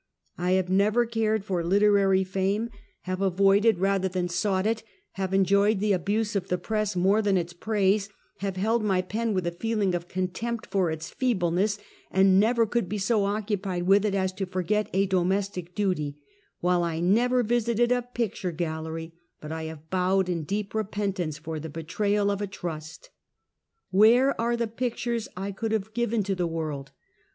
I have never cared for literary fame; have avoided, rather than sought it; have enjoyed the abuse of the press more than its praise; have held my pen with a feeling of contempt for its feebleness, and nev er could be so occupied with it as to forget a domestic duty, while I have never visited a picture gallery, but I have bowed in deep repentance for the betrayal of a trust. Where are the pictures I should have given to the world?